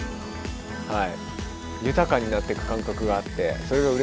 はい。